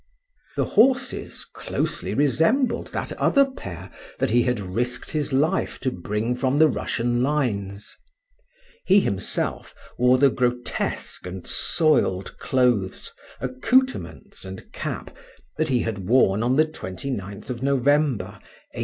The horses closely resembled that other pair that he had risked his life to bring from the Russian lines. He himself wore the grotesque and soiled clothes, accoutrements, and cap that he had worn on the 29th of November 1812.